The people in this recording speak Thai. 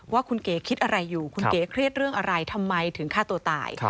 ว่าคุณเก๋คิดอะไรอยู่คุณเก๋เครียดเรื่องอะไรทำไมถึงฆ่าตัวตาย